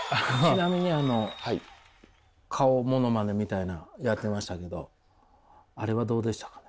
ちなみにあの顔ものマネみたいなやってましたけどあれはどうでしたか？